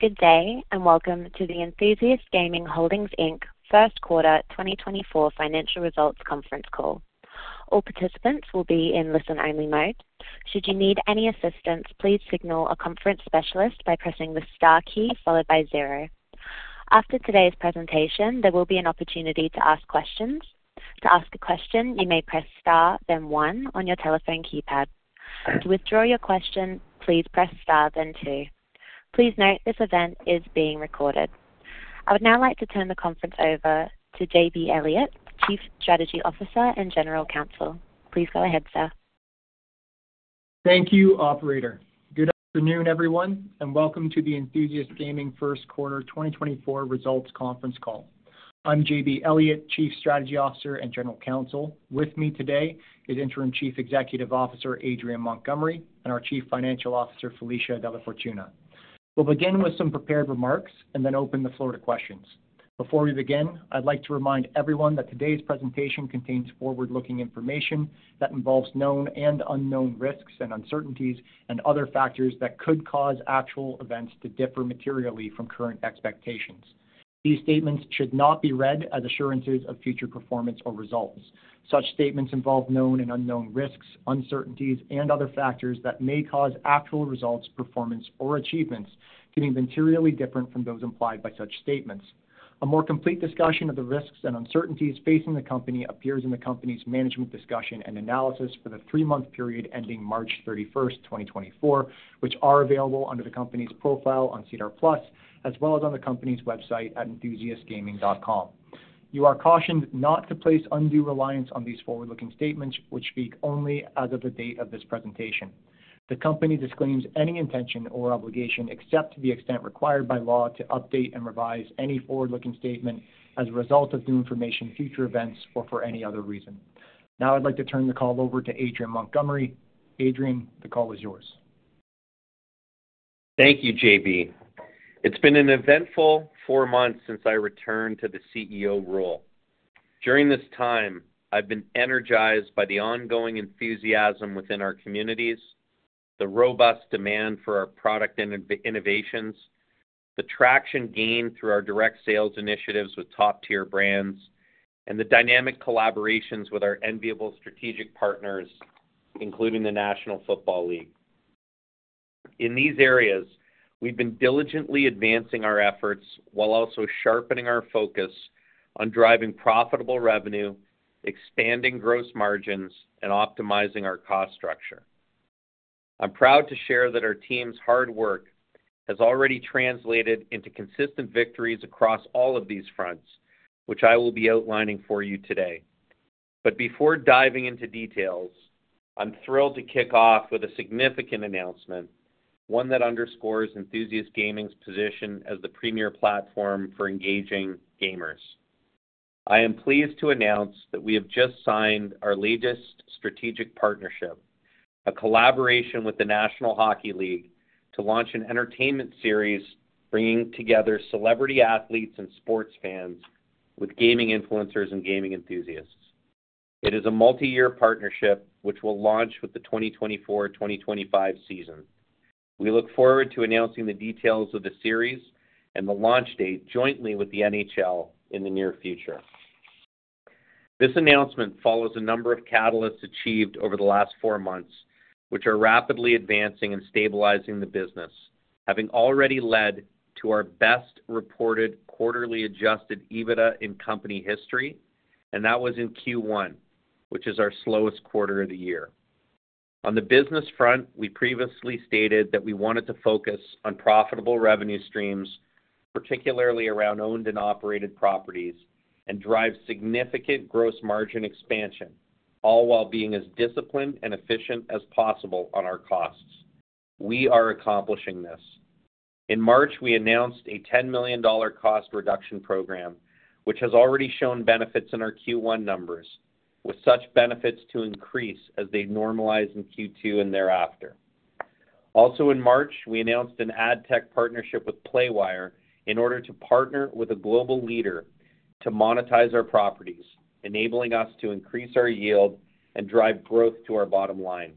Good day and welcome to the Enthusiast Gaming Holdings Inc. first quarter 2024 financial results conference call. All participants will be in listen-only mode. Should you need any assistance, please signal a conference specialist by pressing the star key followed by zero. After today's presentation, there will be an opportunity to ask questions. To ask a question, you may press star then one on your telephone keypad. To withdraw your question, please press star then two. Please note this event is being recorded. I would now like to turn the conference over to JB Elliott, Chief Strategy Officer and General Counsel. Please go ahead, sir. Thank you, Operator. Good afternoon, everyone, and welcome to the Enthusiast Gaming first quarter 2024 results conference call. I'm JB Elliott, Chief Strategy Officer and General Counsel. With me today is Interim Chief Executive Officer Adrian Montgomery and our Chief Financial Officer Felicia DellaFortuna. We'll begin with some prepared remarks and then open the floor to questions. Before we begin, I'd like to remind everyone that today's presentation contains forward-looking information that involves known and unknown risks and uncertainties and other factors that could cause actual events to differ materially from current expectations. These statements should not be read as assurances of future performance or results. Such statements involve known and unknown risks, uncertainties, and other factors that may cause actual results, performance, or achievements to be materially different from those implied by such statements. A more complete discussion of the risks and uncertainties facing the company appears in the company's management discussion and analysis for the three-month period ending March 31st, 2024, which are available under the company's profile on SEDAR+ as well as on the company's website at enthusiastgaming.com. You are cautioned not to place undue reliance on these forward-looking statements, which speak only as of the date of this presentation. The company disclaims any intention or obligation except to the extent required by law to update and revise any forward-looking statement as a result of new information, future events, or for any other reason. Now I'd like to turn the call over to Adrian Montgomery. Adrian, the call is yours. Thank you, JB. It's been an eventful four months since I returned to the CEO role. During this time, I've been energized by the ongoing enthusiasm within our communities, the robust demand for our product innovations, the traction gained through our direct sales initiatives with top-tier brands, and the dynamic collaborations with our enviable strategic partners, including the National Football League. In these areas, we've been diligently advancing our efforts while also sharpening our focus on driving profitable revenue, expanding gross margins, and optimizing our cost structure. I'm proud to share that our team's hard work has already translated into consistent victories across all of these fronts, which I will be outlining for you today. Before diving into details, I'm thrilled to kick off with a significant announcement, one that underscores Enthusiast Gaming's position as the premier platform for engaging gamers. I am pleased to announce that we have just signed our latest strategic partnership, a collaboration with the National Hockey League to launch an entertainment series bringing together celebrity athletes and sports fans with gaming influencers and gaming enthusiasts. It is a multi-year partnership which will launch with the 2024-2025 season. We look forward to announcing the details of the series and the launch date jointly with the NHL in the near future. This announcement follows a number of catalysts achieved over the last 4 months, which are rapidly advancing and stabilizing the business, having already led to our best reported quarterly Adjusted EBITDA in company history, and that was in Q1, which is our slowest quarter of the year. On the business front, we previously stated that we wanted to focus on profitable revenue streams, particularly around owned and operated properties, and drive significant gross margin expansion, all while being as disciplined and efficient as possible on our costs. We are accomplishing this. In March, we announced a 10 million dollar cost reduction program, which has already shown benefits in our Q1 numbers, with such benefits to increase as they normalize in Q2 and thereafter. Also in March, we announced an ad tech partnership with Playwire in order to partner with a global leader to monetize our properties, enabling us to increase our yield and drive growth to our bottom line.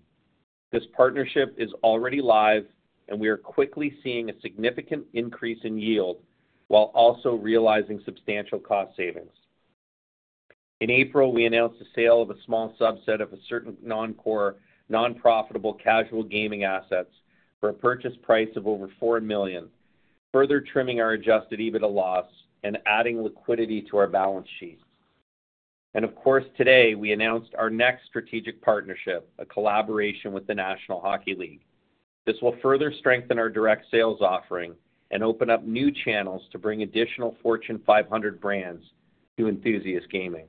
This partnership is already live, and we are quickly seeing a significant increase in yield while also realizing substantial cost savings. In April, we announced the sale of a small subset of a certain non-core, non-profitable casual gaming assets for a purchase price of over 4 million, further trimming our Adjusted EBITDA loss and adding liquidity to our balance sheet. Of course, today we announced our next strategic partnership, a collaboration with the National Hockey League. This will further strengthen our direct sales offering and open up new channels to bring additional Fortune 500 brands to Enthusiast Gaming.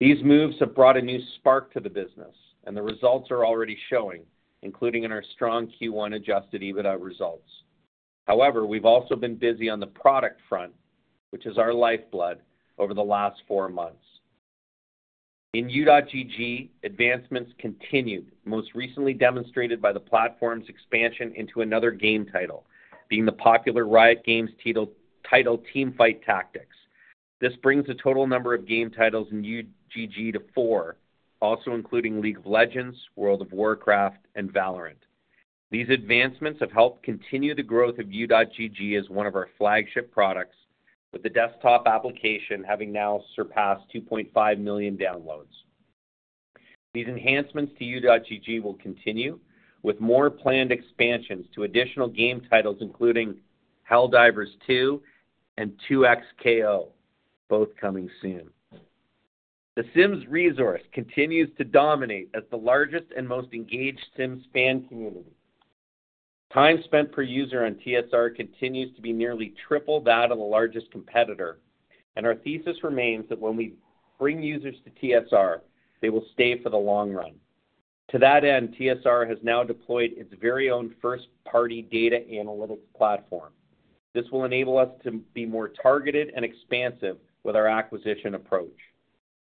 These moves have brought a new spark to the business, and the results are already showing, including in our strong Q1 Adjusted EBITDA results. However, we've also been busy on the product front, which is our lifeblood, over the last four months. In U.GG, advancements continued, most recently demonstrated by the platform's expansion into another game title, being the popular Riot Games title Teamfight Tactics. This brings the total number of game titles in U.GG to four, also including League of Legends, World of Warcraft, and Valorant. These advancements have helped continue the growth of U.GG as one of our flagship products, with the desktop application having now surpassed 2.5 million downloads. These enhancements to U.GG will continue, with more planned expansions to additional game titles including Helldivers 2 and 2XKO, both coming soon. The Sims Resource continues to dominate as the largest and most engaged Sims fan community. Time spent per user on TSR continues to be nearly triple that of the largest competitor, and our thesis remains that when we bring users to TSR, they will stay for the long run. To that end, TSR has now deployed its very own first-party data analytics platform. This will enable us to be more targeted and expansive with our acquisition approach.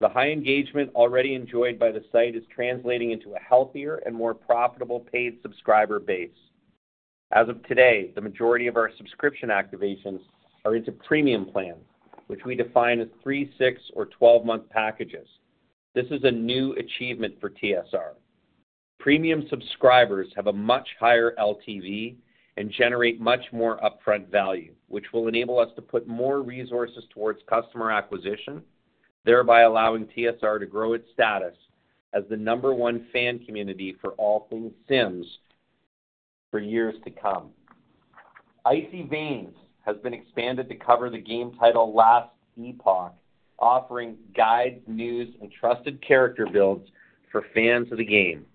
The high engagement already enjoyed by the site is translating into a healthier and more profitable paid subscriber base. As of today, the majority of our subscription activations are into premium plans, which we define as three, six, or 12-month packages. This is a new achievement for TSR. Premium subscribers have a much higher LTV and generate much more upfront value, which will enable us to put more resources towards customer acquisition, thereby allowing TSR to grow its status as the number one fan community for all things Sims for years to come. Icy Veins has been expanded to cover the game title Last Epoch, offering guides, news, and trusted character builds for fans of the game.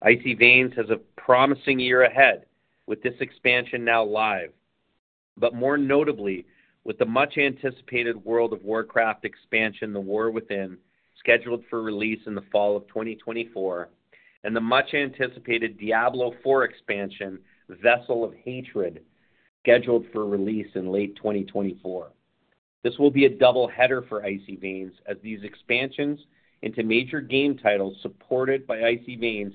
Icy Veins has a promising year ahead with this expansion now live, but more notably with the much-anticipated World of Warcraft expansion The War Within, scheduled for release in the fall of 2024, and the much-anticipated Diablo IV expansion Vessel of Hatred, scheduled for release in late 2024. This will be a double header for Icy Veins, as these expansions into major game titles supported by Icy Veins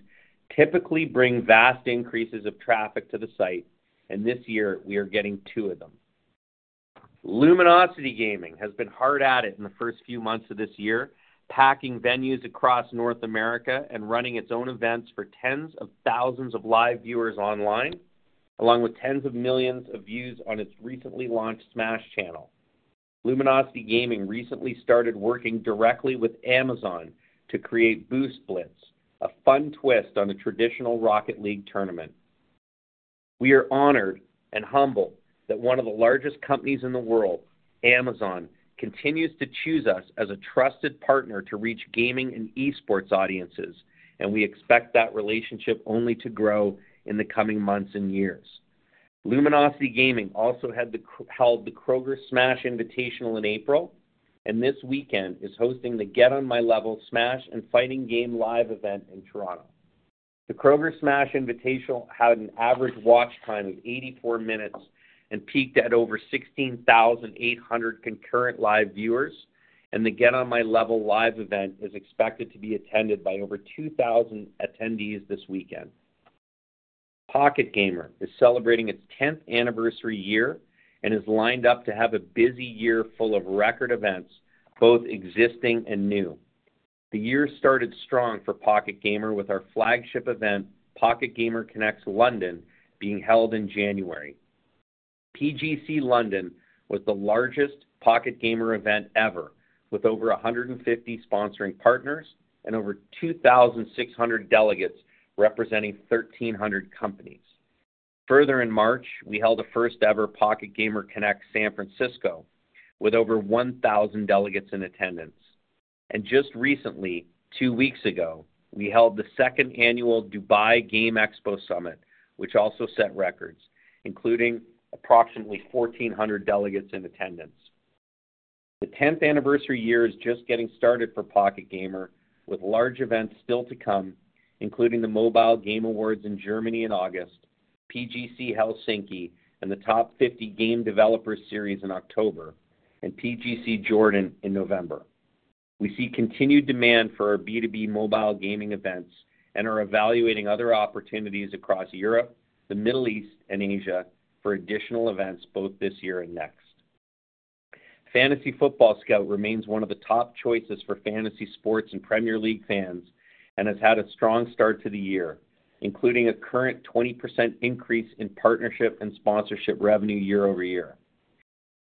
typically bring vast increases of traffic to the site, and this year we are getting two of them. Luminosity Gaming has been hard at it in the first few months of this year, packing venues across North America and running its own events for tens of thousands of live viewers online, along with tens of millions of views on its recently launched Smash channel. Luminosity Gaming recently started working directly with Amazon to create Boost Blitz, a fun twist on a traditional Rocket League tournament. We are honored and humbled that one of the largest companies in the world, Amazon, continues to choose us as a trusted partner to reach gaming and esports audiences, and we expect that relationship only to grow in the coming months and years. Luminosity Gaming also held the Kroger Smash Invitational in April, and this weekend is hosting the Get On My Level Smash and Fighting Game live event in Toronto. The Kroger Smash Invitational had an average watch time of 84 minutes and peaked at over 16,800 concurrent live viewers, and the Get On My Level live event is expected to be attended by over 2,000 attendees this weekend. Pocket Gamer is celebrating its 10th anniversary year and is lined up to have a busy year full of record events, both existing and new. The year started strong for Pocket Gamer with our flagship event, Pocket Gamer Connects London, being held in January. PGC London was the largest Pocket Gamer event ever, with over 150 sponsoring partners and over 2,600 delegates representing 1,300 companies. Further in March, we held the first-ever Pocket Gamer Connects San Francisco, with over 1,000 delegates in attendance. Just recently, two weeks ago, we held the second annual Dubai Game Expo Summit, which also set records, including approximately 1,400 delegates in attendance. The 10th anniversary year is just getting started for Pocket Gamer, with large events still to come, including the Mobile Game Awards in Germany in August, PGC Helsinki, and the Top 50 Game Developers Series in October, and PGC Jordan in November. We see continued demand for our B2B mobile gaming events and are evaluating other opportunities across Europe, the Middle East, and Asia for additional events both this year and next. Fantasy Football Scout remains one of the top choices for fantasy sports and Premier League fans and has had a strong start to the year, including a current 20% increase in partnership and sponsorship revenue year-over-year.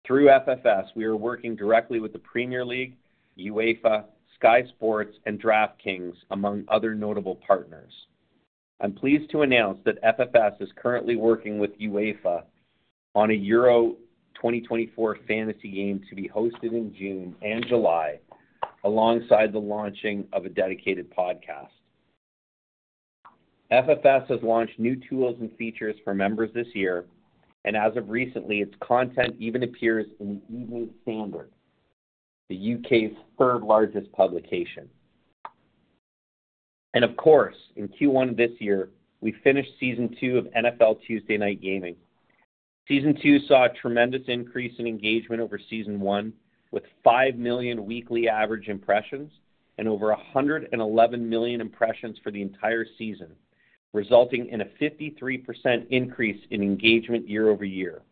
Through FFS, we are working directly with the Premier League, UEFA, Sky Sports, and DraftKings, among other notable partners. I'm pleased to announce that FFS is currently working with UEFA on a Euro 2024 fantasy game to be hosted in June and July, alongside the launching of a dedicated podcast. FFS has launched new tools and features for members this year, and as of recently, its content even appears in the Evening Standard, the U.K.'s third-largest publication. Of course, in Q1 of this year, we finished season two of NFL Tuesday Night Gaming. Season two saw a tremendous increase in engagement over season one, with 5 million weekly average impressions and over 111 million impressions for the entire season, resulting in a 53% increase in engagement year-over-year.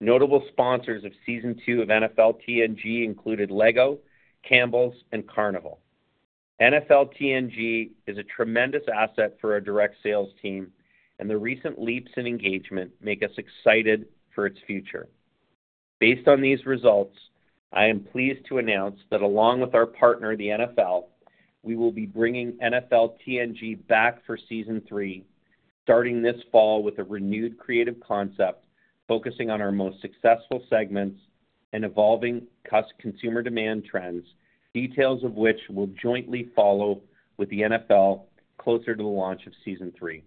Notable sponsors of season two of NFL TNG included LEGO, Campbell's, and Carnival. NFL TNG is a tremendous asset for our direct sales team, and the recent leaps in engagement make us excited for its future. Based on these results, I am pleased to announce that along with our partner, the NFL, we will be bringing NFL TNG back for season three, starting this fall with a renewed creative concept focusing on our most successful segments and evolving consumer demand trends, details of which we'll jointly follow with the NFL closer to the launch of season three.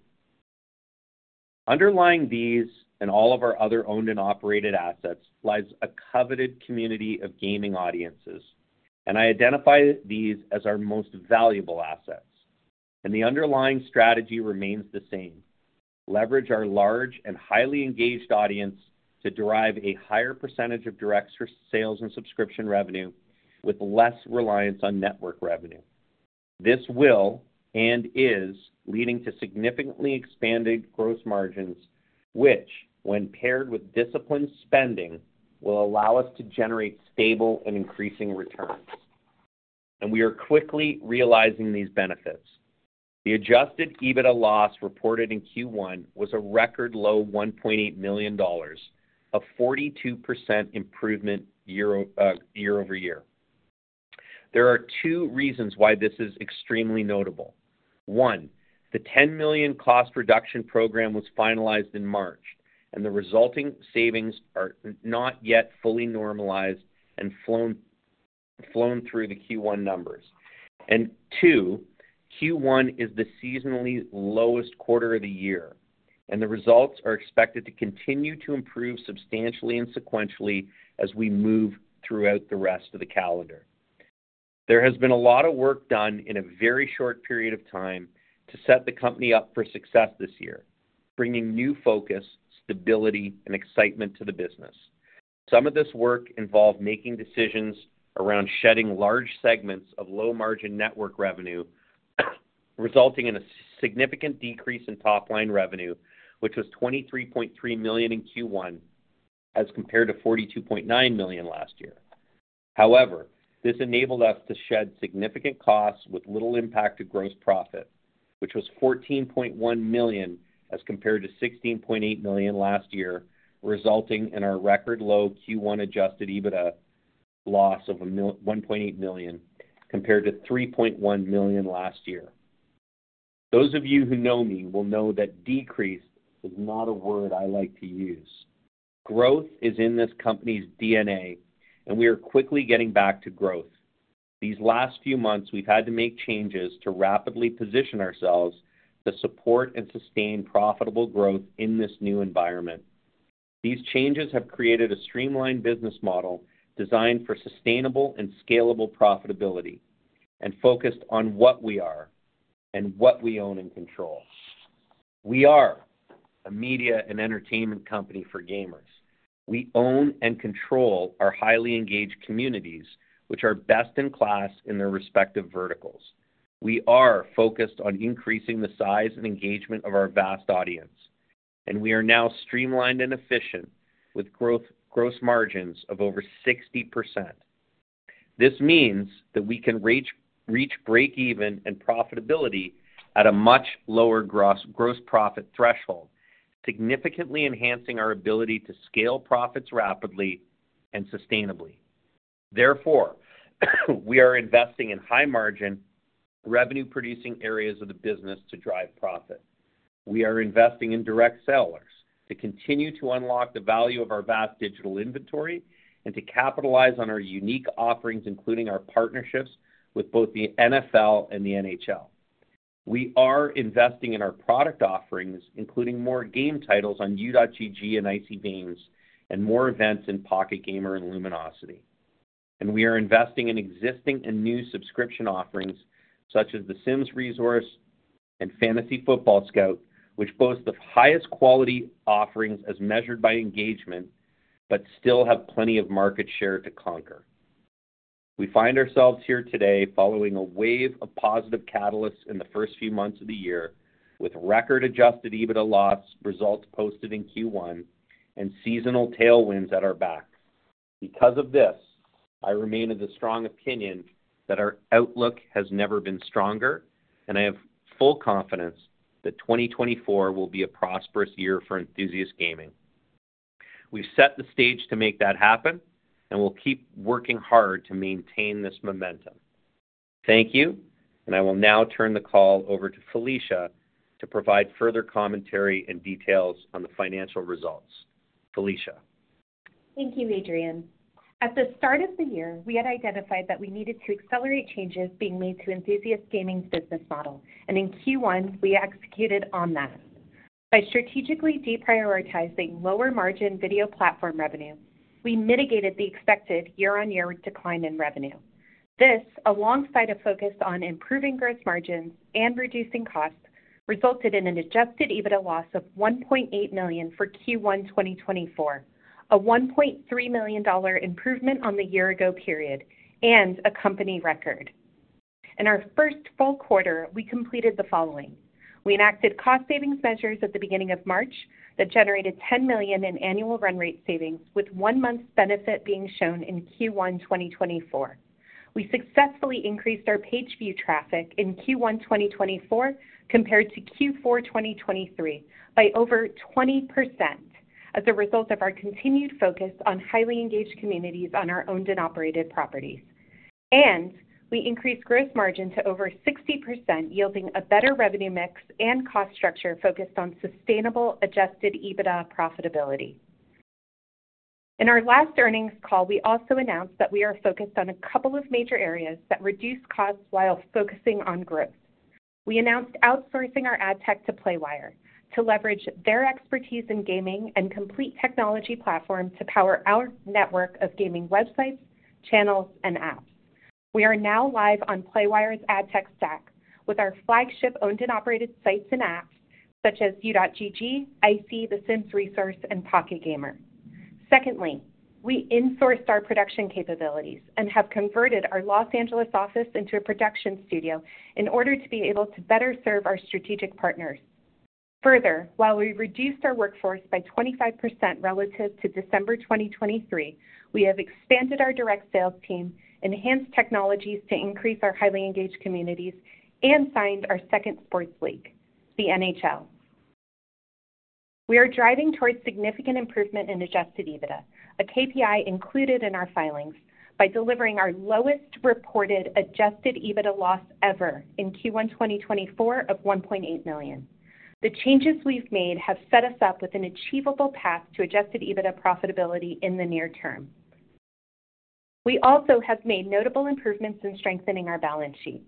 Underlying these and all of our other owned and operated assets lies a coveted community of gaming audiences, and I identify these as our most valuable assets. The underlying strategy remains the same: leverage our large and highly engaged audience to derive a higher percentage of direct sales and subscription revenue, with less reliance on network revenue. This will and is leading to significantly expanded gross margins, which, when paired with disciplined spending, will allow us to generate stable and increasing returns. We are quickly realizing these benefits. The Adjusted EBITDA loss reported in Q1 was a record low 1.8 million dollars, a 42% improvement year-over-year. There are two reasons why this is extremely notable. One, the 10 million cost reduction program was finalized in March, and the resulting savings are not yet fully normalized and flown through the Q1 numbers. Two, Q1 is the seasonally lowest quarter of the year, and the results are expected to continue to improve substantially and sequentially as we move throughout the rest of the calendar. There has been a lot of work done in a very short period of time to set the company up for success this year, bringing new focus, stability, and excitement to the business. Some of this work involved making decisions around shedding large segments of low-margin network revenue, resulting in a significant decrease in top-line revenue, which was 23.3 million in Q1 as compared to 42.9 million last year. However, this enabled us to shed significant costs with little impact to gross profit, which was 14.1 million as compared to 16.8 million last year, resulting in our record low Q1 Adjusted EBITDA loss of 1.8 million compared to 3.1 million last year. Those of you who know me will know that decrease is not a word I like to use. Growth is in this company's DNA, and we are quickly getting back to growth. These last few months, we've had to make changes to rapidly position ourselves to support and sustain profitable growth in this new environment. These changes have created a streamlined business model designed for sustainable and scalable profitability and focused on what we are and what we own and control. We are a media and entertainment company for gamers. We own and control our highly engaged communities, which are best in class in their respective verticals. We are focused on increasing the size and engagement of our vast audience, and we are now streamlined and efficient with gross margins of over 60%. This means that we can reach break-even and profitability at a much lower gross profit threshold, significantly enhancing our ability to scale profits rapidly and sustainably. Therefore, we are investing in high-margin, revenue-producing areas of the business to drive profit. We are investing in direct sellers to continue to unlock the value of our vast digital inventory and to capitalize on our unique offerings, including our partnerships with both the NFL and the NHL. We are investing in our product offerings, including more game titles on U.GG and Icy Veins and more events in Pocket Gamer and Luminosity. We are investing in existing and new subscription offerings such as the Sims Resource and Fantasy Football Scout, which boast the highest quality offerings as measured by engagement but still have plenty of market share to conquer. We find ourselves here today following a wave of positive catalysts in the first few months of the year, with record Adjusted EBITDA loss results posted in Q1 and seasonal tailwinds at our backs. Because of this, I remain of the strong opinion that our outlook has never been stronger, and I have full confidence that 2024 will be a prosperous year for Enthusiast Gaming. We've set the stage to make that happen, and we'll keep working hard to maintain this momentum. Thank you, and I will now turn the call over to Felicia to provide further commentary and details on the financial results. Felicia. Thank you, Adrian. At the start of the year, we had identified that we needed to accelerate changes being made to Enthusiast Gaming's business model, and in Q1, we executed on that. By strategically deprioritizing lower-margin video platform revenue, we mitigated the expected year-on-year decline in revenue. This, alongside a focus on improving gross margins and reducing costs, resulted in an Adjusted EBITDA loss of 1.8 million for Q1 2024, a 1.3 million dollar improvement on the year-ago period, and a company record. In our first full quarter, we completed the following: we enacted cost-savings measures at the beginning of March that generated 10 million in annual run-rate savings, with one month's benefit being shown in Q1 2024. We successfully increased our page view traffic in Q1 2024 compared to Q4 2023 by over 20% as a result of our continued focus on highly engaged communities on our owned and operated properties. We increased gross margin to over 60%, yielding a better revenue mix and cost structure focused on sustainable Adjusted EBITDA profitability. In our last earnings call, we also announced that we are focused on a couple of major areas that reduce costs while focusing on growth. We announced outsourcing our ad tech to Playwire to leverage their expertise in gaming and complete technology platform to power our network of gaming websites, channels, and apps. We are now live on Playwire's ad tech stack with our flagship owned and operated sites and apps such as U.GG, Icy Veins, The Sims Resource, and Pocket Gamer. Secondly, we insourced our production capabilities and have converted our Los Angeles office into a production studio in order to be able to better serve our strategic partners. Further, while we reduced our workforce by 25% relative to December 2023, we have expanded our direct sales team, enhanced technologies to increase our highly engaged communities, and signed our second sports league, the NHL. We are driving towards significant improvement in Adjusted EBITDA, a KPI included in our filings, by delivering our lowest reported Adjusted EBITDA loss ever in Q1 2024 of 1.8 million. The changes we've made have set us up with an achievable path to Adjusted EBITDA profitability in the near term. We also have made notable improvements in strengthening our balance sheet.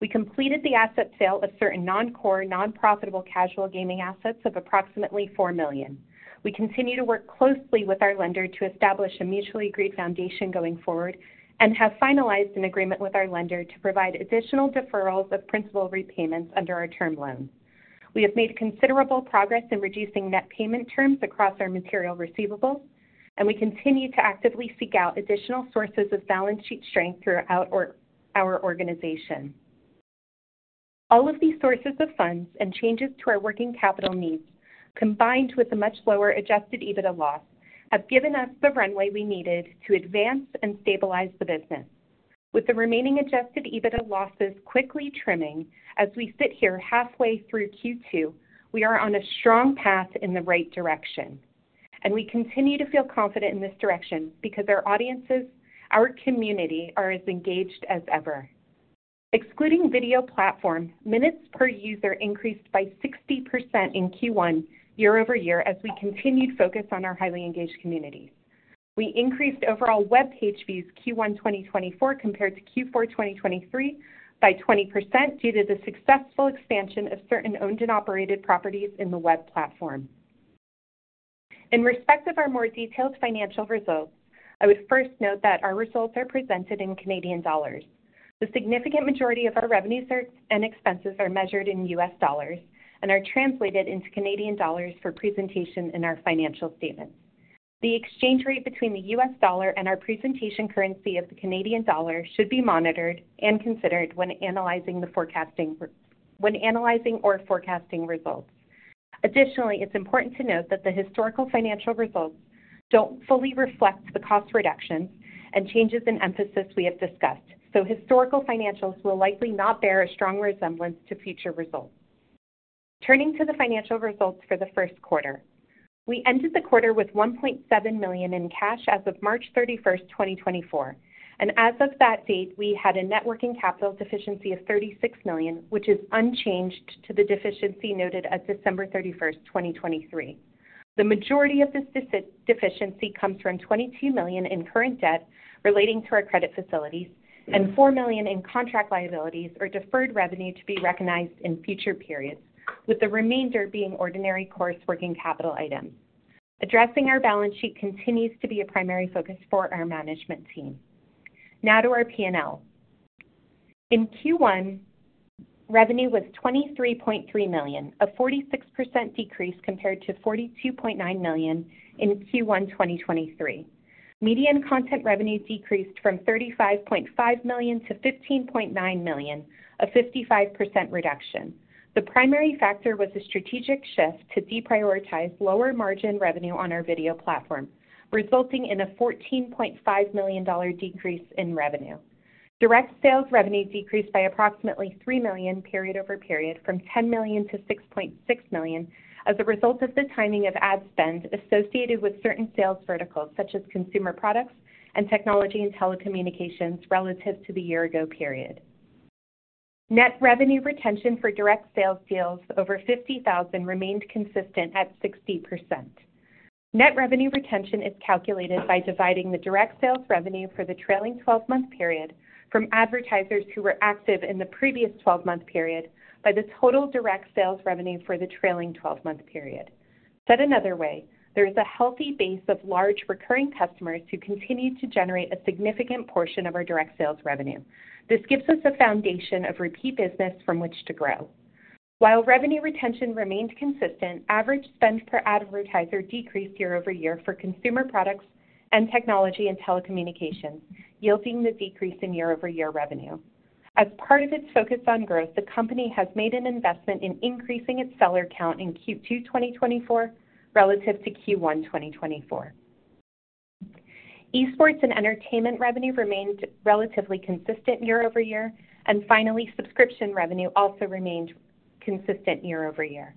We completed the asset sale of certain non-core, non-profitable casual gaming assets of approximately 4 million. We continue to work closely with our lender to establish a mutually agreed foundation going forward and have finalized an agreement with our lender to provide additional deferrals of principal repayments under our term loan. We have made considerable progress in reducing net payment terms across our material receivables, and we continue to actively seek out additional sources of balance sheet strength throughout our organization. All of these sources of funds and changes to our working capital needs, combined with the much lower Adjusted EBITDA loss, have given us the runway we needed to advance and stabilize the business. With the remaining Adjusted EBITDA losses quickly trimming as we sit here halfway through Q2, we are on a strong path in the right direction. We continue to feel confident in this direction because our audiences, our community, are as engaged as ever. Excluding video platform, minutes per user increased by 60% in Q1 year-over-year as we continued focus on our highly engaged communities. We increased overall web page views Q1 2024 compared to Q4 2023 by 20% due to the successful expansion of certain owned and operated properties in the web platform. In respect of our more detailed financial results, I would first note that our results are presented in Canadian dollars. The significant majority of our revenues and expenses are measured in US dollars and are translated into Canadian dollars for presentation in our financial statements. The exchange rate between the US dollar and our presentation currency of the Canadian dollar should be monitored and considered when analyzing the forecasting or forecasting results. Additionally, it's important to note that the historical financial results don't fully reflect the cost reductions and changes in emphasis we have discussed, so historical financials will likely not bear a strong resemblance to future results. Turning to the financial results for the first quarter, we ended the quarter with 1.7 million in cash as of March 31st, 2024. As of that date, we had a net working capital deficiency of 36 million, which is unchanged to the deficiency noted at December 31st, 2023. The majority of this deficiency comes from 22 million in current debt relating to our credit facilities and 4 million in contract liabilities or deferred revenue to be recognized in future periods, with the remainder being ordinary course working capital items. Addressing our balance sheet continues to be a primary focus for our management team. Now to our P&L. In Q1, revenue was 23.3 million, a 46% decrease compared to 42.9 million in Q1 2023. Media and content revenue decreased from 35.5 million to 15.9 million, a 55% reduction. The primary factor was a strategic shift to deprioritize lower-margin revenue on our video platform, resulting in a 14.5 million dollar decrease in revenue. Direct sales revenue decreased by approximately 3 million period over period from 10 million to 6.6 million as a result of the timing of ad spend associated with certain sales verticals such as consumer products and technology and telecommunications relative to the year-ago period. Net revenue retention for direct sales deals over 50,000 remained consistent at 60%. Net revenue retention is calculated by dividing the direct sales revenue for the trailing 12-month period from advertisers who were active in the previous 12-month period by the total direct sales revenue for the trailing 12-month period. Said another way, there is a healthy base of large recurring customers who continue to generate a significant portion of our direct sales revenue. This gives us a foundation of repeat business from which to grow. While revenue retention remained consistent, average spend per advertiser decreased year-over-year for consumer products and technology and telecommunications, yielding the decrease in year-over-year revenue. As part of its focus on growth, the company has made an investment in increasing its seller count in Q2 2024 relative to Q1 2024. Esports and entertainment revenue remained relatively consistent year-over-year, and finally, subscription revenue also remained consistent year-over-year.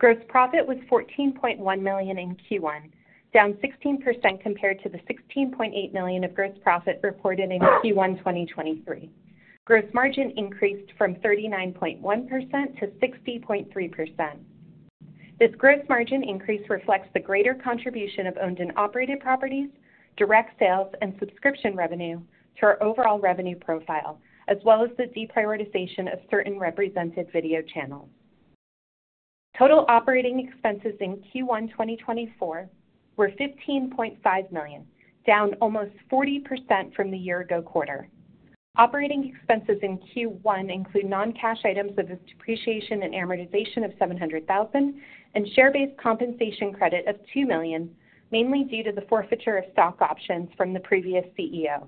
Gross profit was 14.1 million in Q1, down 16% compared to the 16.8 million of gross profit reported in Q1 2023. Gross margin increased from 39.1%-60.3%. This gross margin increase reflects the greater contribution of owned and operated properties, direct sales, and subscription revenue to our overall revenue profile, as well as the deprioritization of certain represented video channels. Total operating expenses in Q1 2024 were 15.5 million, down almost 40% from the year-ago quarter. Operating expenses in Q1 include non-cash items of depreciation and amortization of 700,000 and share-based compensation credit of 2 million, mainly due to the forfeiture of stock options from the previous CEO.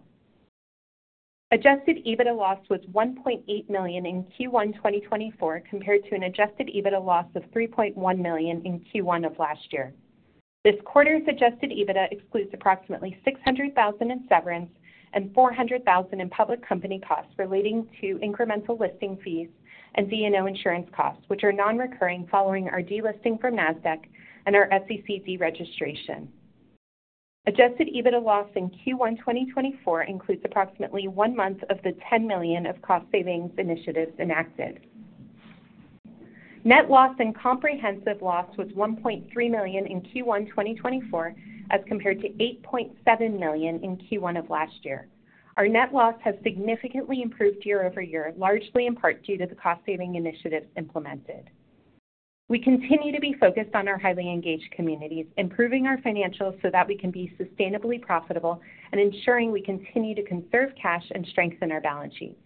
Adjusted EBITDA loss was 1.8 million in Q1 2024 compared to an adjusted EBITDA loss of 3.1 million in Q1 of last year. This quarter's adjusted EBITDA excludes approximately 600,000 in severance and 400,000 in public company costs relating to incremental listing fees and D&O insurance costs, which are non-recurring following our delisting from Nasdaq and our SEC deregistration. Adjusted EBITDA loss in Q1 2024 includes approximately one month of the 10 million of cost savings initiatives enacted. Net loss and comprehensive loss was 1.3 million in Q1 2024 as compared to 8.7 million in Q1 of last year. Our net loss has significantly improved year-over-year, largely in part due to the cost saving initiatives implemented. We continue to be focused on our highly engaged communities, improving our financials so that we can be sustainably profitable and ensuring we continue to conserve cash and strengthen our balance sheet.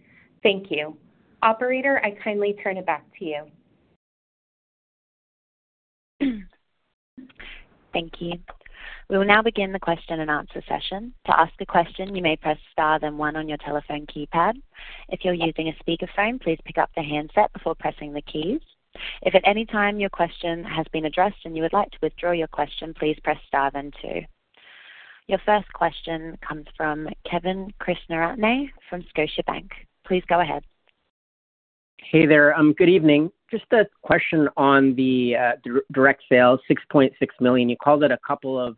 Thank you. Operator, I kindly turn it back to you. Thank you. We will now begin the question-and-answer session. To ask a question, you may press star then one on your telephone keypad. If you're using a speakerphone, please pick up the handset before pressing the keys. If at any time your question has been addressed and you would like to withdraw your question, please press star then two. Your first question comes from Kevin Krishnaratne from Scotiabank. Please go ahead. Hey there. Good evening. Just a question on the direct sales, 6.6 million. You called it a couple of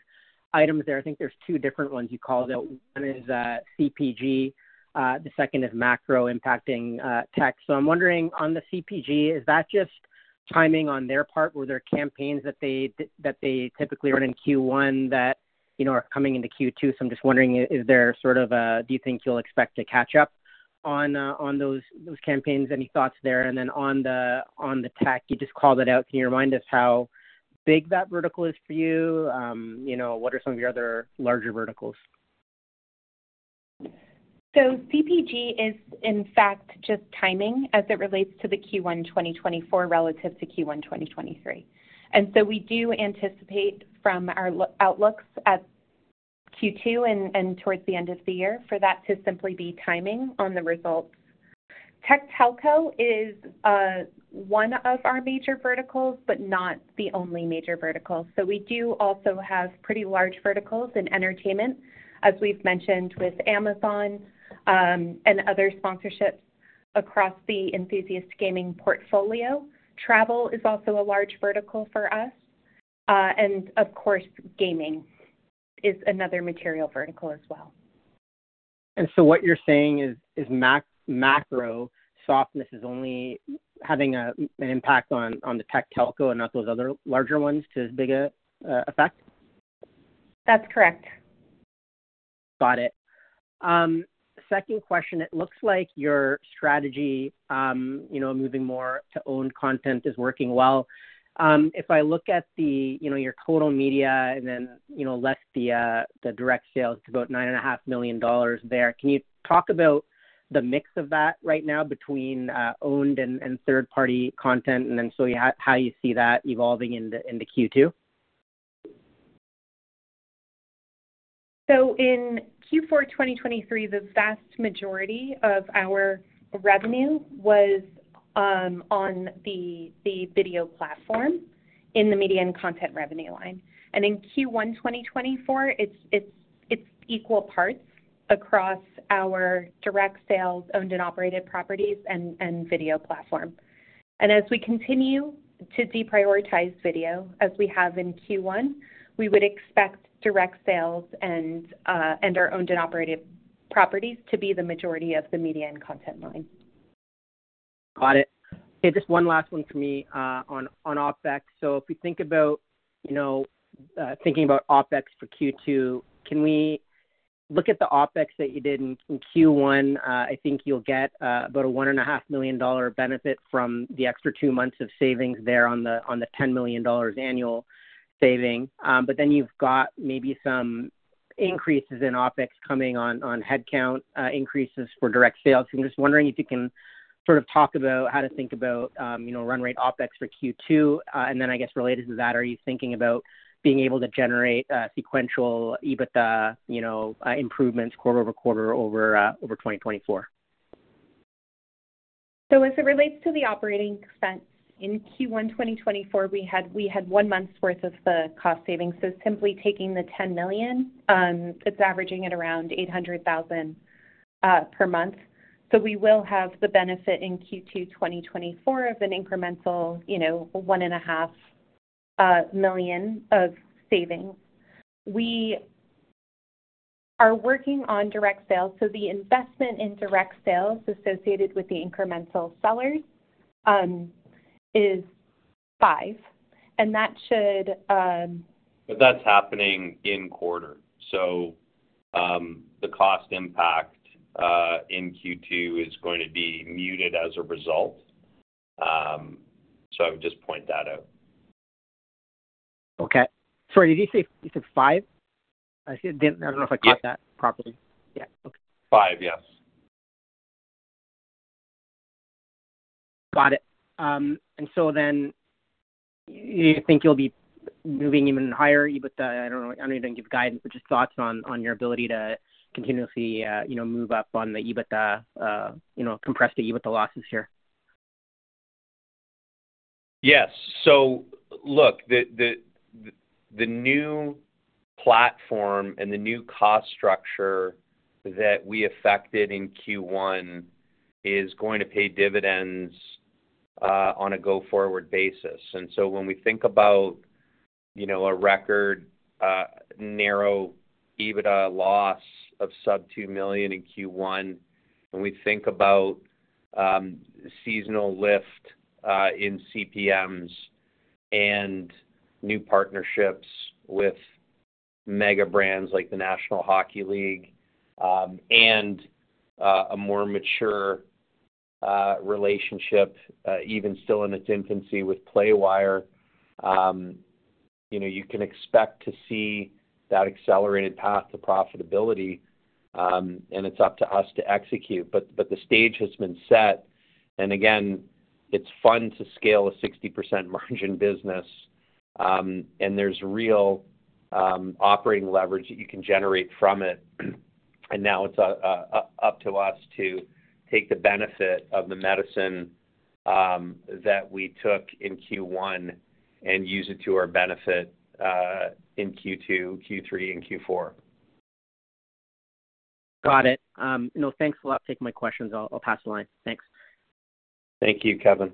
items there. I think there's two different ones you called it. One is CPG. The second is macro impacting tech. So I'm wondering, on the CPG, is that just timing on their part? Were there campaigns that they typically run in Q1 that are coming into Q2? So I'm just wondering, is there sort of a do you think you'll expect to catch up on those campaigns? Any thoughts there? And then on the tech, you just called it out. Can you remind us how big that vertical is for you? What are some of your other larger verticals? So CPG is, in fact, just timing as it relates to the Q1 2024 relative to Q1 2023. And so we do anticipate from our outlooks at Q2 and towards the end of the year for that to simply be timing on the results. Tech telco is one of our major verticals, but not the only major vertical. So we do also have pretty large verticals in entertainment, as we've mentioned, with Amazon and other sponsorships across the Enthusiast Gaming portfolio. Travel is also a large vertical for us. And of course, gaming is another material vertical as well. And so what you're saying is macro softness is only having an impact on the Tech Telco and not those other larger ones to as big a effect? That's correct. Got it. Second question. It looks like your strategy moving more to owned content is working well. If I look at your total media and then left the direct sales, it's about 9.5 million dollars there. Can you talk about the mix of that right now between owned and third-party content and then so how you see that evolving into Q2? So in Q4 2023, the vast majority of our revenue was on the video platform in the media and content revenue line. And in Q1 2024, it's equal parts across our direct sales, owned and operated properties, and video platform. And as we continue to deprioritize video, as we have in Q1, we would expect direct sales and our owned and operated properties to be the majority of the media and content line. Got it. Hey, just one last one for me on OpEx. So if we think about thinking about OpEx for Q2, can we look at the OpEx that you did in Q1? I think you'll get about a 1.5 million dollar benefit from the extra two months of savings there on the 10 million dollars annual saving. But then you've got maybe some increases in OpEx coming on headcount increases for direct sales. So I'm just wondering if you can sort of talk about how to think about run rate OpEx for Q2. And then, I guess, related to that, are you thinking about being able to generate sequential EBITDA improvements quarter over quarter over 2024? So as it relates to the operating expense, in Q1 2024, we had one month's worth of the cost savings. So simply taking the 10 million, it's averaging at around 800,000 per month. So we will have the benefit in Q2 2024 of an incremental 1.5 million of savings. We are working on direct sales. So the investment in direct sales associated with the incremental sellers is 5 million. And that should. But that's happening in quarter. So the cost impact in Q2 is going to be muted as a result. So I would just point that out. Okay. Sorry. Did you say you said 5 million? I don't know if I caught that properly. Yeah. Okay. 5 million, yes. Got it. And so then you think you'll be moving even higher EBITDA? I don't even know if you're going to give guidance, but just thoughts on your ability to continuously move up on the EBITDA compressed to EBITDA losses here? Yes. So look, the new platform and the new cost structure that we affected in Q1 is going to pay dividends on a go-forward basis. And so when we think about a record narrow EBITDA loss of sub-CAD 2 million in Q1, when we think about seasonal lift in CPMs and new partnerships with mega brands like the National Hockey League and a more mature relationship, even still in its infancy, with Playwire, you can expect to see that accelerated path to profitability. And it's up to us to execute. But the stage has been set. And again, it's fun to scale a 60% margin business. And there's real operating leverage that you can generate from it. And now it's up to us to take the benefit of the medicine that we took in Q1 and use it to our benefit in Q2, Q3, and Q4. Got it. No, thanks a lot. Take my questions. I'll pass the line. Thanks. Thank you, Kevin.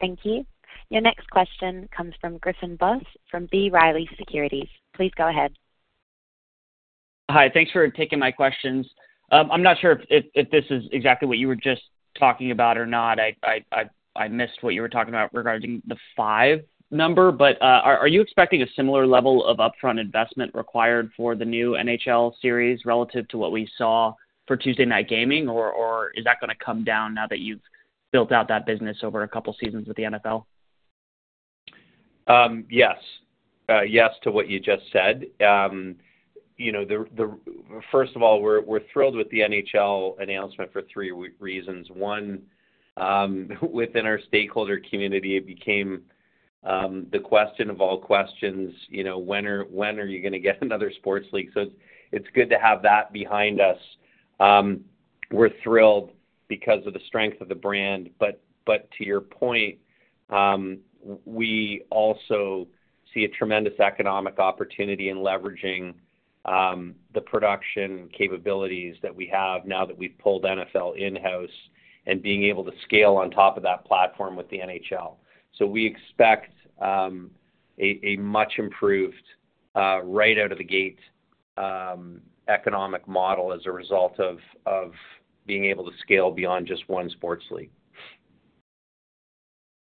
Thank you. Your next question comes from Griffin Boss from B. Riley Securities. Please go ahead. Hi. Thanks for taking my questions. I'm not sure if this is exactly what you were just talking about or not. I missed what you were talking about regarding the 5 number. Are you expecting a similar level of upfront investment required for the new NHL series relative to what we saw for Tuesday Night Gaming, or is that going to come down now that you've built out that business over a couple of seasons with the NFL? Yes. Yes to what you just said. First of all, we're thrilled with the NHL announcement for three reasons. One, within our stakeholder community, it became the question of all questions, "When are you going to get another sports league?" It's good to have that behind us. We're thrilled because of the strength of the brand. To your point, we also see a tremendous economic opportunity in leveraging the production capabilities that we have now that we've pulled NFL in-house and being able to scale on top of that platform with the NHL. So we expect a much-improved right-out-of-the-gate economic model as a result of being able to scale beyond just one sports league.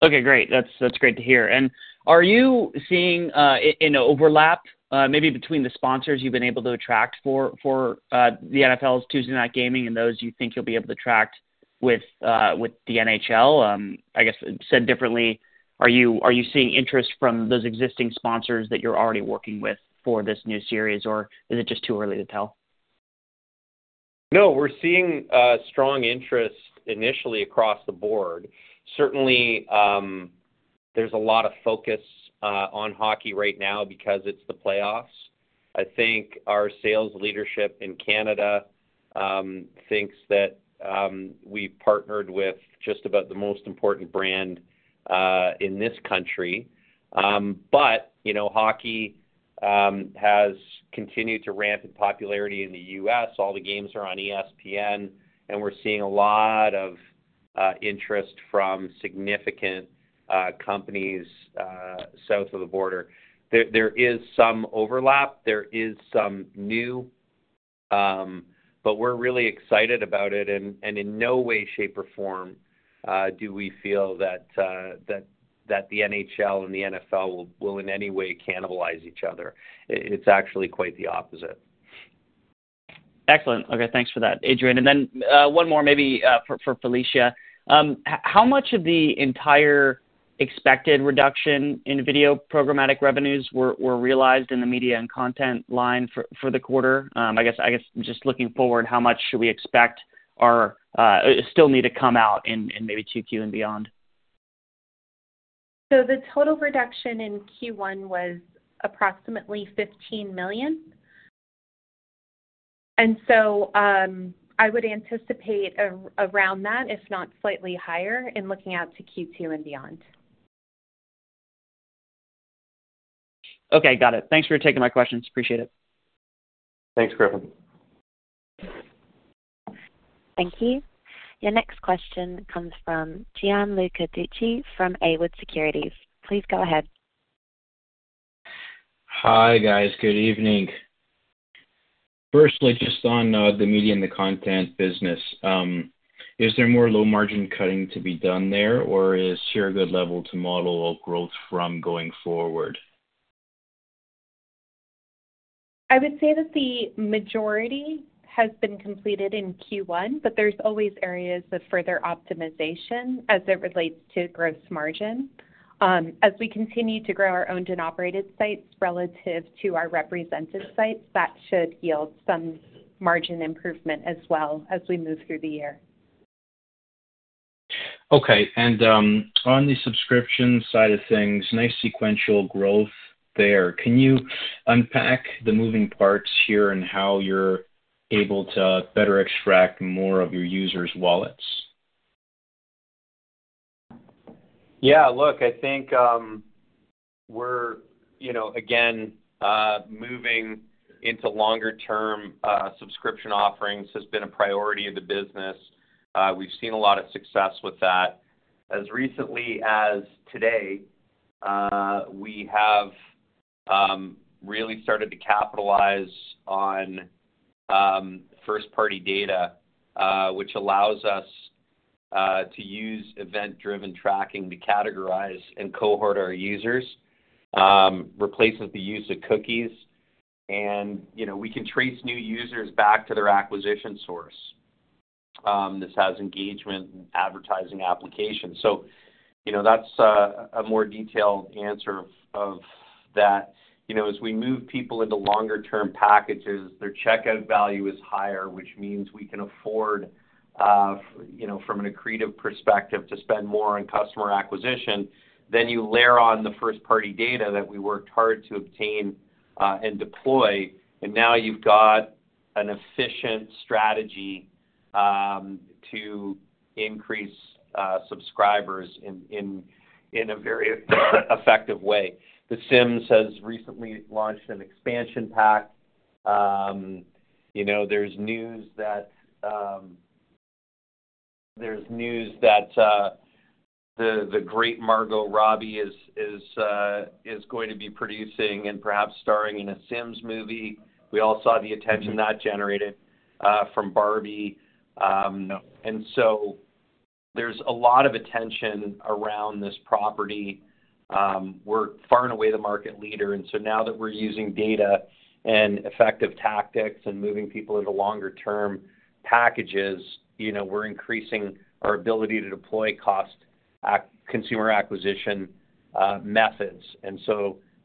Okay. Great. That's great to hear. And are you seeing an overlap maybe between the sponsors you've been able to attract for the NFL's Tuesday Night Gaming and those you think you'll be able to attract with the NHL? I guess said differently, are you seeing interest from those existing sponsors that you're already working with for this new series, or is it just too early to tell? No, we're seeing strong interest initially across the board. Certainly, there's a lot of focus on hockey right now because it's the playoffs. I think our sales leadership in Canada thinks that we've partnered with just about the most important brand in this country. But hockey has continued to ramp in popularity in the U.S. All the games are on ESPN, and we're seeing a lot of interest from significant companies south of the border. There is some overlap. There is some new. But we're really excited about it. And in no way, shape, or form do we feel that the NHL and the NFL will in any way cannibalize each other. It's actually quite the opposite. Excellent. Okay. Thanks for that, Adrian. And then one more maybe for Felicia. How much of the entire expected reduction in video programmatic revenues were realized in the media and content line for the quarter? I guess just looking forward, how much should we expect still need to come out in maybe 2Q and beyond? So the total reduction in Q1 was approximately 15 million. And so I would anticipate around that, if not slightly higher, in looking out to Q2 and beyond. Okay. Got it. Thanks for taking my questions. Appreciate it. Thanks, Griffin. Thank you. Your next question comes from Gianluca Tucci from Haywood Securities. Please go ahead. Hi, guys. Good evening. Firstly, just on the media and the content business, is there more low-margin cutting to be done there, or is this a good level to model growth from going forward? I would say that the majority has been completed in Q1, but there's always areas of further optimization as it relates to gross margin. As we continue to grow our owned and operated sites relative to our represented sites, that should yield some margin improvement as well as we move through the year. Okay. And on the subscription side of things, nice sequential growth there. Can you unpack the moving parts here and how you're able to better extract more of your users' wallets? Yeah. Look, I think we're, again, moving into longer-term subscription offerings has been a priority of the business. We've seen a lot of success with that. As recently as today, we have really started to capitalize on first-party data, which allows us to use event-driven tracking to categorize and cohort our users, replaces the use of cookies, and we can trace new users back to their acquisition source. This has engagement and advertising applications. So that's a more detailed answer of that. As we move people into longer-term packages, their checkout value is higher, which means we can afford, from an accretive perspective, to spend more on customer acquisition. Then you layer on the first-party data that we worked hard to obtain and deploy, and now you've got an efficient strategy to increase subscribers in a very effective way. The Sims has recently launched an expansion pack. There's news that there's news that the great Margot Robbie is going to be producing and perhaps starring in a Sims movie. We all saw the attention that generated from Barbie. There's a lot of attention around this property. We're far and away the market leader. Now that we're using data and effective tactics and moving people into longer-term packages, we're increasing our ability to deploy cost-effective consumer acquisition methods.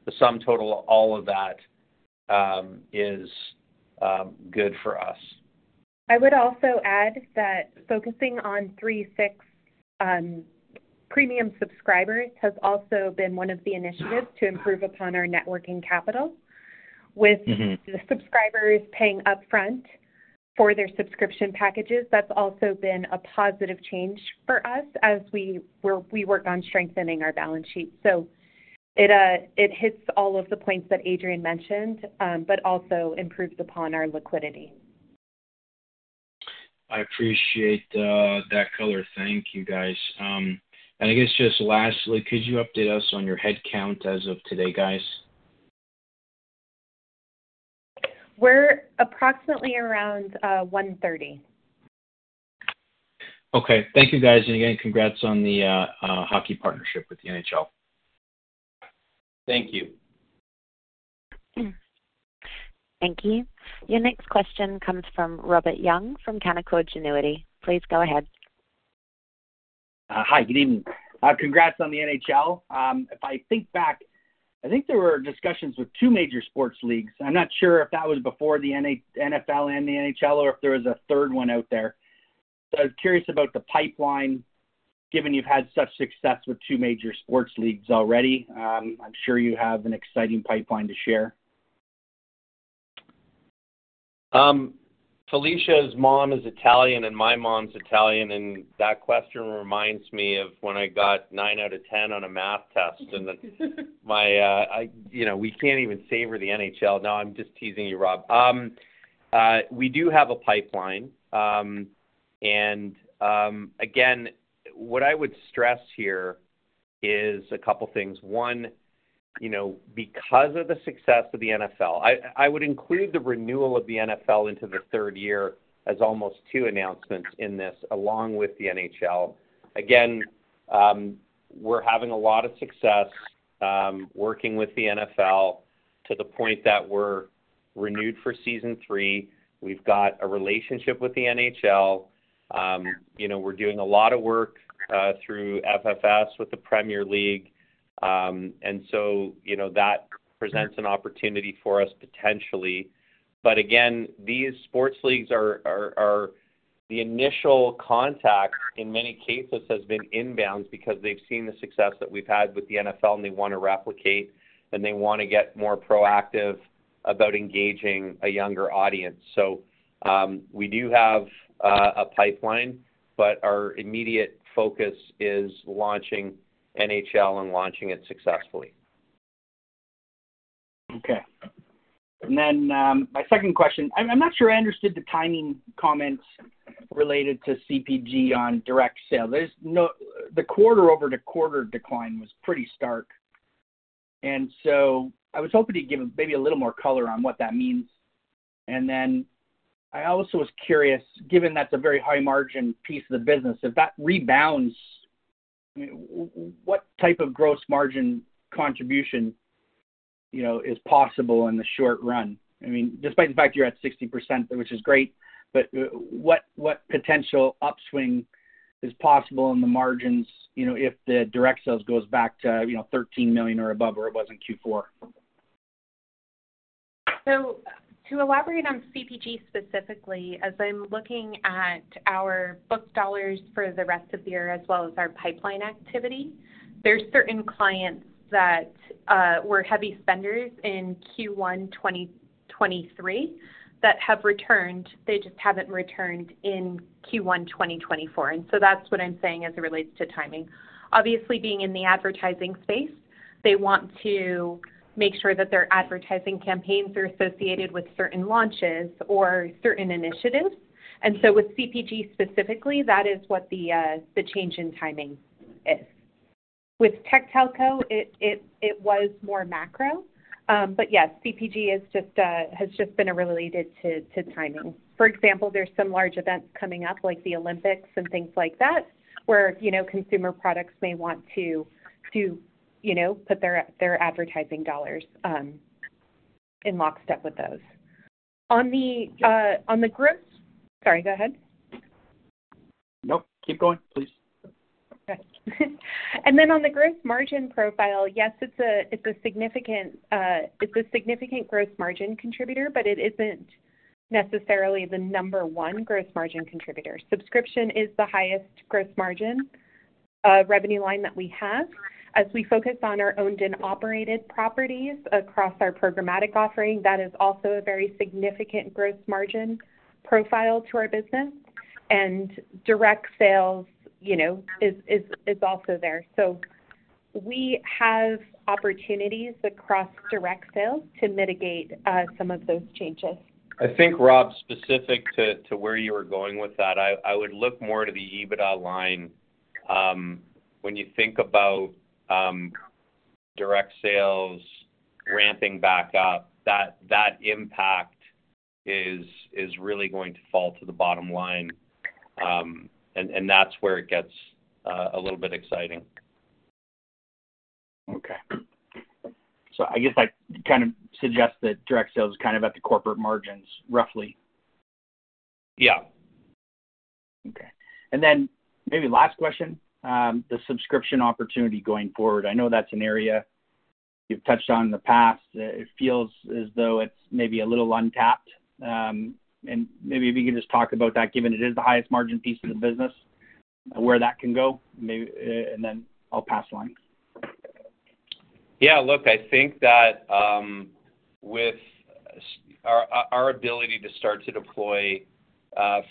The sum total of all of that is good for us. I would also add that focusing on TSR premium subscribers has also been one of the initiatives to improve upon our working capital. With the subscribers paying upfront for their subscription packages, that's also been a positive change for us as we work on strengthening our balance sheet. So it hits all of the points that Adrian mentioned but also improves upon our liquidity. I appreciate that color. Thank you, guys. And I guess just lastly, could you update us on your headcount as of today, guys? We're approximately around 130. Okay. Thank you, guys. And again, congrats on the hockey partnership with the NHL. Thank you. Thank you. Your next question comes from Robert Young from Canaccord Genuity. Please go ahead. Hi. Good evening. Congrats on the NHL. If I think back, I think there were discussions with two major sports leagues. I'm not sure if that was before the NHL and the NFL or if there was a third one out there. So I was curious about the pipeline, given you've had such success with two major sports leagues already. I'm sure you have an exciting pipeline to share. Felicia's mom is Italian, and my mom's Italian. And that question reminds me of when I got 9 out of 10 on a math test. And we can't even savor the NHL. No, I'm just teasing you, Rob. We do have a pipeline. And again, what I would stress here is a couple of things. One, because of the success of the NFL, I would include the renewal of the NFL into the third year as almost two announcements in this along with the NHL. Again, we're having a lot of success working with the NFL to the point that we're renewed for season three. We've got a relationship with the NHL. We're doing a lot of work through FFS with the Premier League. And so that presents an opportunity for us potentially. But again, these sports leagues are the initial contact, in many cases, has been inbounds because they've seen the success that we've had with the NFL, and they want to replicate, and they want to get more proactive about engaging a younger audience. So we do have a pipeline, but our immediate focus is launching NHL and launching it successfully. Okay. And then my second question, I'm not sure I understood the timing comments related to CPG on direct sale. The quarter-over-quarter decline was pretty stark. And so I was hoping to give maybe a little more color on what that means. And then I also was curious, given that's a very high-margin piece of the business, if that rebounds, I mean, what type of gross margin contribution is possible in the short run? I mean, despite the fact you're at 60%, which is great, but what potential upswing is possible in the margins if the direct sales goes back to 13 million or above where it was in Q4? So to elaborate on CPG specifically, as I'm looking at our booked dollars for the rest of the year as well as our pipeline activity, there's certain clients that were heavy spenders in Q1 2023 that have returned. They just haven't returned in Q1 2024. And so that's what I'm saying as it relates to timing. Obviously, being in the advertising space, they want to make sure that their advertising campaigns are associated with certain launches or certain initiatives. And so with CPG specifically, that is what the change in timing is. With Tech Telco, it was more macro. But yes, CPG has just been related to timing. For example, there's some large events coming up like the Olympics and things like that where consumer products may want to put their advertising dollars in lockstep with those. On the gross, sorry, go ahead. Nope. Keep going, please. Okay. And then on the gross margin profile, yes, it's a significant gross margin contributor, but it isn't necessarily the number one gross margin contributor. Subscription is the highest gross margin revenue line that we have. As we focus on our owned and operated properties across our programmatic offering, that is also a very significant gross margin profile to our business. And direct sales is also there. So we have opportunities across direct sales to mitigate some of those changes. I think, Rob, specific to where you were going with that, I would look more to the EBITDA line. When you think about direct sales ramping back up, that impact is really going to fall to the bottom line. And that's where it gets a little bit exciting. Okay. So I guess I kind of suggest that direct sales is kind of at the corporate margins, roughly. Yeah. Okay. And then maybe last question, the subscription opportunity going forward. I know that's an area you've touched on in the past. It feels as though it's maybe a little untapped. And maybe if you could just talk about that, given it is the highest margin piece of the business, where that can go, and then I'll pass the line. Yeah. Look, I think that with our ability to start to deploy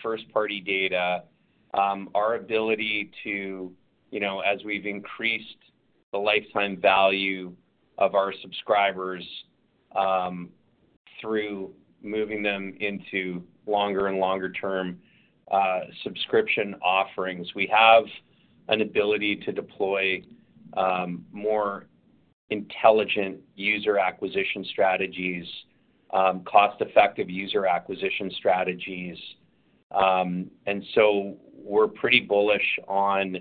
first-party data, our ability to as we've increased the lifetime value of our subscribers through moving them into longer and longer-term subscription offerings, we have an ability to deploy more intelligent user acquisition strategies, cost-effective user acquisition strategies. And so we're pretty bullish on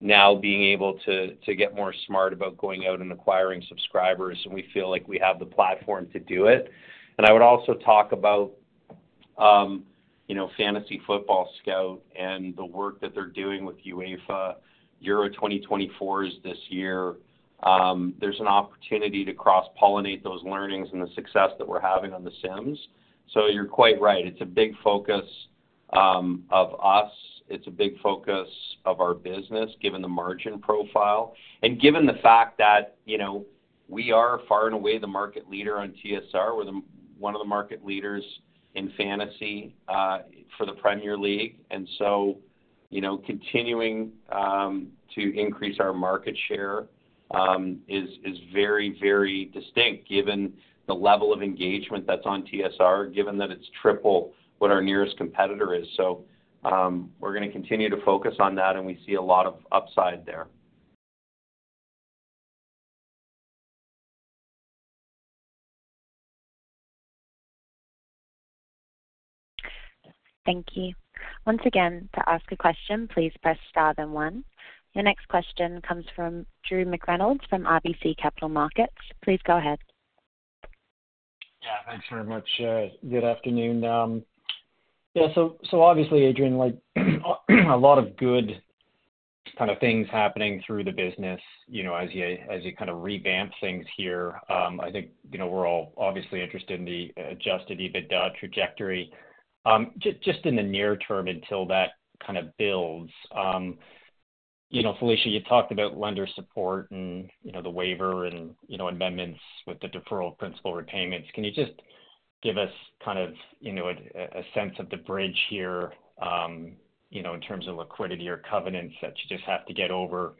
now being able to get more smart about going out and acquiring subscribers. And we feel like we have the platform to do it. And I would also talk about Fantasy Football Scout and the work that they're doing with UEFA Euro 2024 this year. There's an opportunity to cross-pollinate those learnings and the success that we're having on The Sims. So you're quite right. It's a big focus of us. It's a big focus of our business, given the margin profile and given the fact that we are far and away the market leader on TSR. We're one of the market leaders in fantasy for the Premier League. Continuing to increase our market share is very, very distinct, given the level of engagement that's on TSR, given that it's triple what our nearest competitor is. We're going to continue to focus on that, and we see a lot of upside there. Thank you. Once again, to ask a question, please press star then one. Your next question comes from Drew McReynolds from RBC Capital Markets. Please go ahead. Yeah. Thanks very much. Good afternoon. Yeah. So obviously, Adrian, a lot of good kind of things happening through the business as you kind of revamp things here. I think we're all obviously interested in the Adjusted EBITDA trajectory just in the near term until that kind of builds. Felicia, you talked about lender support and the waiver and amendments with the deferred principal repayments. Can you just give us kind of a sense of the bridge here in terms of liquidity or covenants that you just have to get over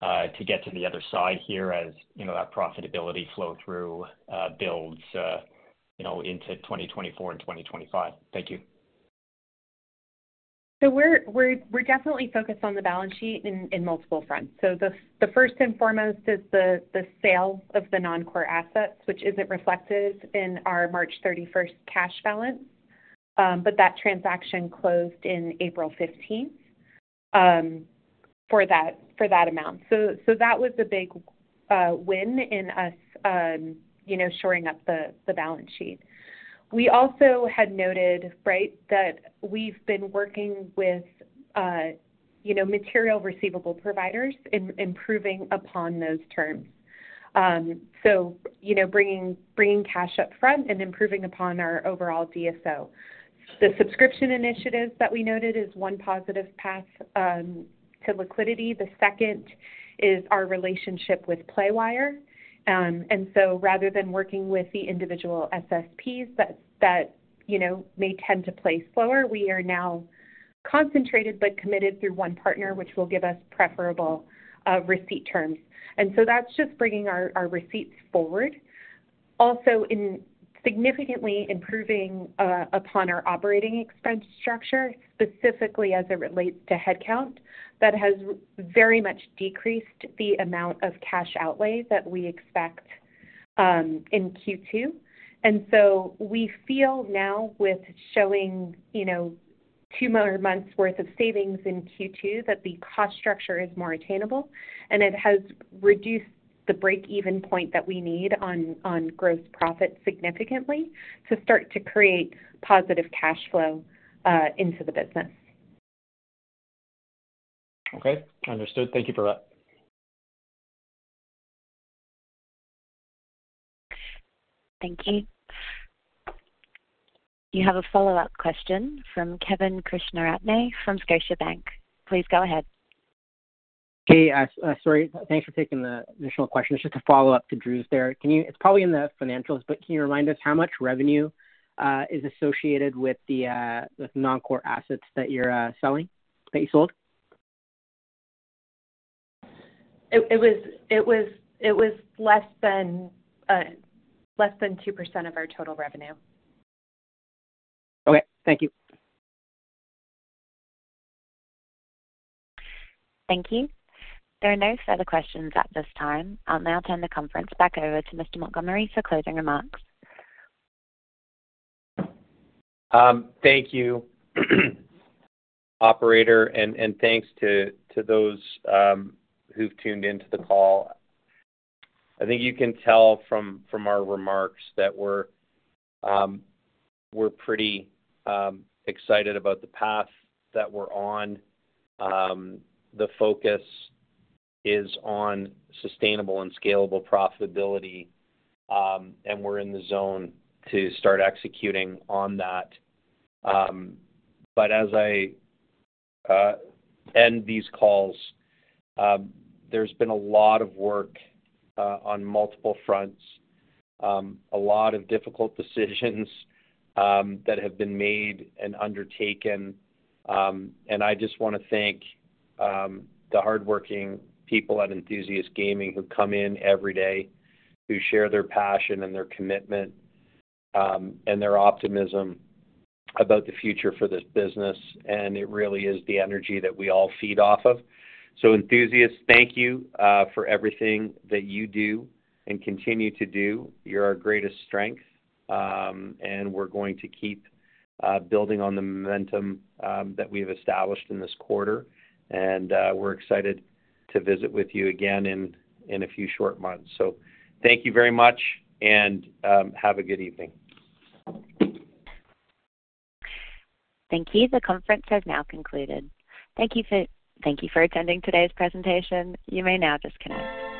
to get to the other side here as that profitability flow-through builds into 2024 and 2025? Thank you. So we're definitely focused on the balance sheet in multiple fronts. So the first and foremost is the sale of the non-core assets, which isn't reflected in our March 31st cash balance, but that transaction closed in April 15th for that amount. So that was a big win in us shoring up the balance sheet. We also had noted, right, that we've been working with material receivable providers and improving upon those terms, so bringing cash upfront and improving upon our overall DSO. The subscription initiatives that we noted is one positive path to liquidity. The second is our relationship with Playwire. And so rather than working with the individual SSPs that may tend to pay slower, we are now concentrated but committed through one partner, which will give us preferable receipt terms. And so that's just bringing our receipts forward, also significantly improving upon our operating expense structure, specifically as it relates to headcount that has very much decreased the amount of cash outlay that we expect in Q2. And so we feel now with showing two more months' worth of savings in Q2 that the cost structure is more attainable, and it has reduced the break-even point that we need on gross profit significantly to start to create positive cash flow into the business. Okay. Understood. Thank you for that. Thank you. You have a follow-up question from Kevin Krishnaratne from Scotiabank. Please go ahead. Hey. Sorry. Thanks for taking the initial question. It's just a follow-up to Drew's there. It's probably in the financials, but can you remind us how much revenue is associated with the non-core assets that you're selling, that you sold? It was less than 2% of our total revenue. Okay. Thank you. Thank you. There are no further questions at this time. I'll now turn the conference back over to Mr. Montgomery for closing remarks. Thank you, operator. Thanks to those who've tuned into the call. I think you can tell from our remarks that we're pretty excited about the path that we're on. The focus is on sustainable and scalable profitability, and we're in the zone to start executing on that. But as I end these calls, there's been a lot of work on multiple fronts, a lot of difficult decisions that have been made and undertaken. I just want to thank the hardworking people at Enthusiast Gaming who come in every day, who share their passion and their commitment and their optimism about the future for this business. It really is the energy that we all feed off of. So enthusiasts, thank you for everything that you do and continue to do. You're our greatest strength, and we're going to keep building on the momentum that we've established in this quarter. We're excited to visit with you again in a few short months. Thank you very much and have a good evening. Thank you. The conference has now concluded. Thank you for attending today's presentation. You may now disconnect.